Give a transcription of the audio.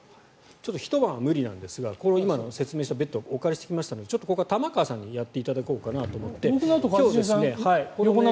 ひと晩は無理なんですが今の説明したベッドをお借りしてきたのでここは玉川さんにやっていただこうと思って。